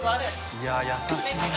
いや優しいな。